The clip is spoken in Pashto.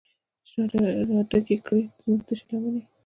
چې راډکې کړي زمونږ تشې لمنې